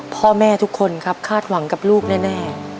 พ่อแม่ทุกคนครับคาดหวังกับลูกแน่